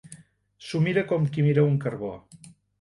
S'ho mira com qui mira un carbó.